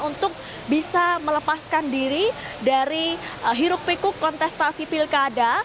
untuk bisa melepaskan diri dari hiruk pikuk kontestasi pilkada